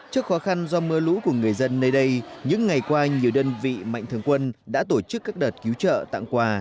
trước khó khăn do mưa lũ của người dân nơi đây những ngày qua nhiều đơn vị mạnh thường quân đã tổ chức các đợt cứu trợ tặng quà